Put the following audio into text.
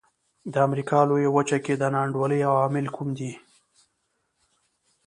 د امریکا لویه وچه کې د نا انډولۍ عوامل کوم دي.